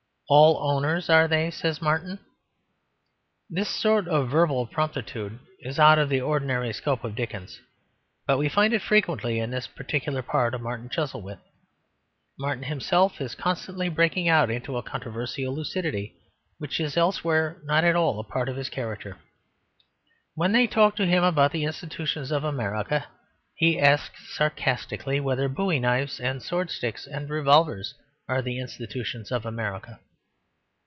"All owners are they?" says Martin. This sort of verbal promptitude is out of the ordinary scope of Dickens; but we find it frequently in this particular part of Martin Chuzzlewit. Martin himself is constantly breaking out into a controversial lucidity, which is elsewhere not at all a part of his character. When they talk to him about the institutions of America he asks sarcastically whether bowie knives and swordsticks and revolvers are the institutions of America.